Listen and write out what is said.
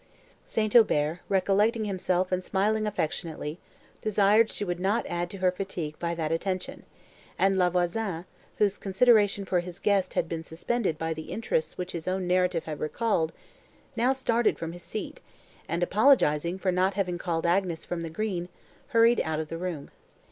St. Aubert, recollecting himself, and smiling affectionately, desired she would not add to her fatigue by that attention; and La Voisin, whose consideration for his guest had been suspended by the interests which his own narrative had recalled, now started from his seat, and, apologising for not having called Agnes from the green, hurried out of the room.